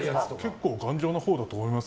結構、頑丈なほうだと思います。